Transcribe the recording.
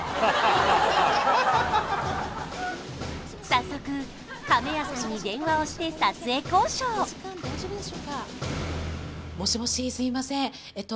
早速亀屋さんに電話をして撮影交渉えっと